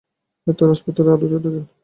এতে রাজপুতেরা আরও চটে যান।